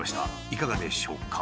いかがでしょうか？